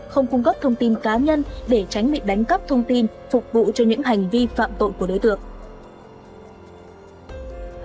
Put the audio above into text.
không cung cấp thông tin cá nhân để tránh bị đánh cắp thông tin phục vụ cho những hành vi phạm tội của đối tượng